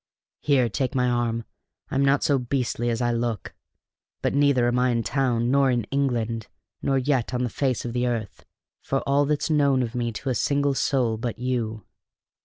"Here, take my arm I'm not so beastly as I look. But neither am I in town, nor in England, nor yet on the face of the earth, for all that's known of me to a single soul but you."